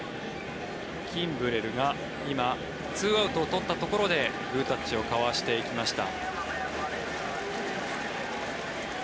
キンブレルが今２アウトを取ったところでグータッチを交わしていきました。